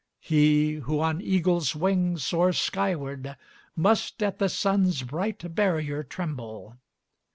He who on eagle's wing soars skyward Must at the sun's bright barrier tremble.